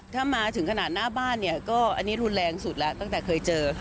ถ้ามาถึงขนาดหน้าบ้านเนี่ยก็อันนี้รุนแรงสุดแล้วตั้งแต่เคยเจอค่ะ